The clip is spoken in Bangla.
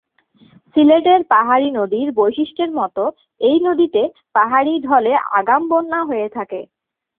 সিলেটের পাহাড়ি নদীর বৈশিষ্ট্যের মতো এই নদীতে পাহাড়ি ঢলে আগাম বন্যা হয়ে থাকে।